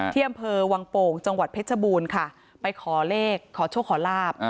ที่อำเภอวังโป่งจังหวัดเพชรบูรณ์ค่ะไปขอเลขขอโชคขอลาบ